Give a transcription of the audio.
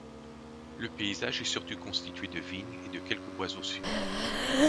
Le paysage est surtout constitué de vignes, et de quelques bois au sud.